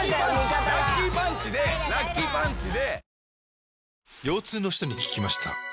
ラッキーパンチラッキーパンチで。